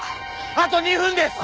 あと２分です！